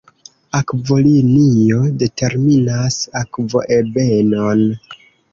Akvolinio determinas akvoebenon.